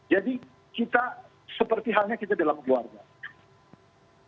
jadi kita seperti halnya kita dalam keluarga